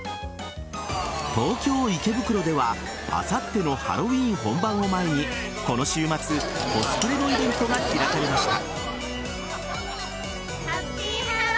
東京・池袋では、あさってのハロウィーンの本番を前にこの週末、コスプレのイベントが開かれました。